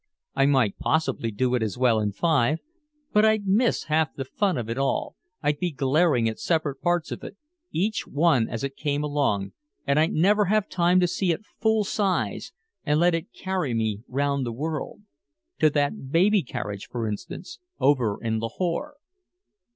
I might possibly do it as well in five, but I'd miss half the fun of it all, I'd be glaring at separate parts of it, each one as it came along, and I'd never have time to see it full size and let it carry me 'round the world to that baby carriage, for instance, over in Lahore."